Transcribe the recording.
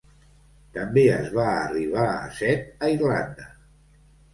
També es va arribar a set a Irlanda.